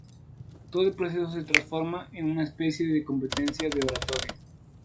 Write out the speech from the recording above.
Todo el proceso se transforma en una especie de competencia de oratoria.